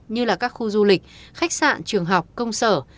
như là các khu du lịch khách sạn trường học công sở